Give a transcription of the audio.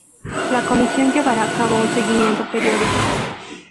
La Comisión llevará a cabo un seguimiento periódico.